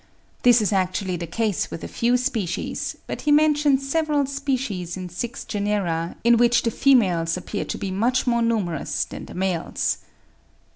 This is actually the case with a few species; but he mentions several species in six genera, in which the females appear to be much more numerous than the males.